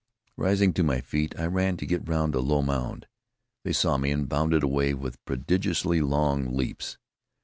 Rising to my feet, I ran to get round a low mound. They saw me and bounded away with prodigiously long leaps.